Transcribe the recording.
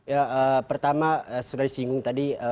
ya pertama sudah disinggung tadi